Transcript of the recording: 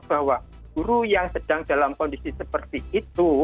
bahwa guru yang sedang dalam kondisi seperti itu